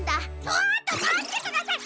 ちょっとまってください！